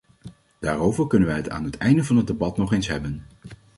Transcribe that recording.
Daarover kunnen wij het aan het einde van het debat nog eens hebben.